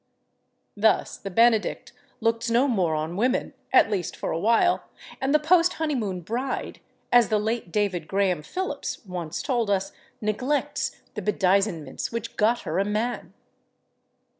Thus the benedict looks no more on women (at least for a while), and the post honeymoon bride, as the late David Graham Phillips once told us, neglects the bedizenments which got her a man.